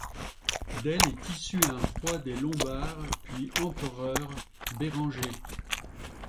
D'elle est issu un roi des Lombards puis empereur, Bérenger.